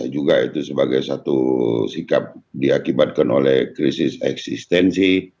juga itu sebagai satu sikap diakibatkan oleh krisis eksistensi